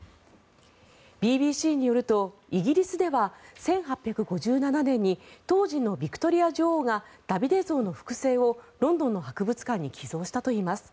ＢＢＣによるとイギリスでは１８５７年に当時のビクトリア女王がダビデ像の複製をロンドンの博物館に寄贈したといいます。